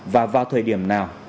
và vào thời điểm nào